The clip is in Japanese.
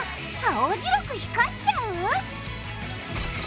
青白く光っちゃう！？